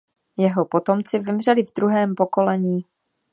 Jeho potomci vymřeli v druhém pokolení.